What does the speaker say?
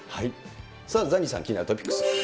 さあ、ザニーさん、気になるトピックス。